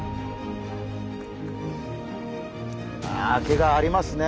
あ毛がありますね。